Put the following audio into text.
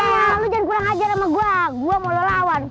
lo jangan kurang ajar sama gue gue mau lelawan